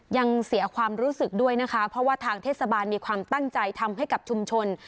ยังเสียความรู้สึกด้วยนะคะเพราะว่าทางเทศบาลมีความตั้งใจทำให้กับชุมชน